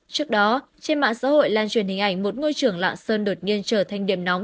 trước đó trên mạng xã hội lan truyền hình ảnh một ngôi trường lạng sơn đột nhiên trở thành điểm nóng